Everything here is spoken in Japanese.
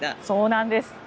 そうなんです。